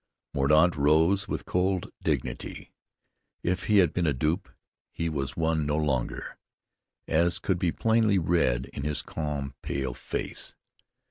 Mordaunt rose with cold dignity. If he had been a dupe, he was one no longer, as could be plainly read on his calm, pale face.